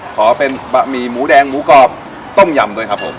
ขอเป็นบะหมี่หมูแดงหมูกรอบต้มยำด้วยครับผม